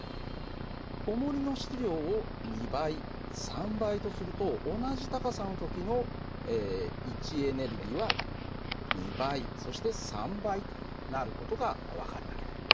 おもりの質量を２倍３倍とすると同じ高さの時の位置エネルギーは２倍そして３倍となる事が分かる訳だ。